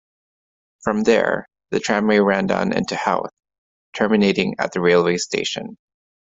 From there, the tramway ran down into Howth, terminating at the railway station.